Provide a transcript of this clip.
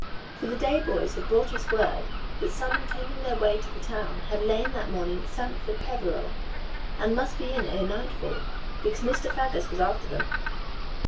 For the day boys had brought us word that some intending their way to the town had lain that morning at Sampford Peveril, and must be in ere nightfall, because Mr. Faggus was after them.